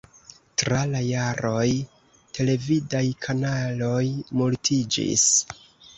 Tra la jaroj, televidaj kanaloj multiĝis.